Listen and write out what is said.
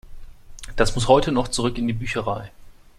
Das muss heute noch zurück in die Bücherei.